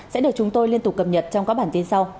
sẽ được chúng tôi liên tục cập nhật trong các bản tin sau